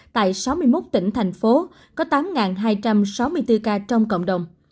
tại sáu mươi một tỉnh thành phố có tám hai trăm sáu mươi bốn ca trong cộng đồng